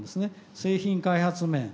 製品開発面